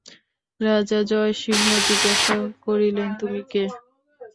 রাজা জয়সিংহ জিজ্ঞাসা করিলেন, তুমি কে?